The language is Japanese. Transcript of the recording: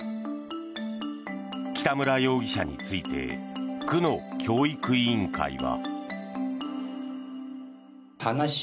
北村容疑者について区の教育委員会は。